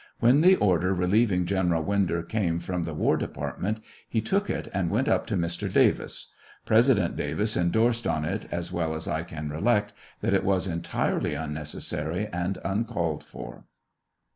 When the order relieving General Winder came from the war department, he took it and went up to Mr. Davis ; President Davis indorsed on it, as well as I can recollect, that it was entirely unnecessary and uncalled for.